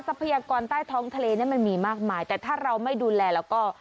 พยากรใต้ท้องทะเลเนี่ยมันมีมากมายแต่ถ้าเราไม่ดูแลแล้วก็